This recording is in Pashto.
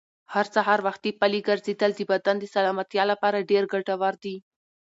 هر سهار وختي پلي ګرځېدل د بدن د سلامتیا لپاره ډېر ګټور دي.